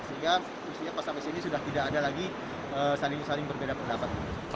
sehingga mestinya pas sampai sini sudah tidak ada lagi saling saling berbeda pendapat